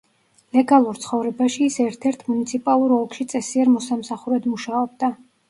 ლეგალურ ცხოვრებაში ის ერთ–ერთ მუნიციპალურ ოლქში წესიერ მოსამსახურედ მუშაობდა.